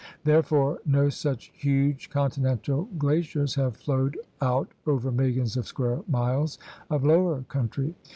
Therefore no such huge continental glaciers have flowed out over milUons of square miles of lower country.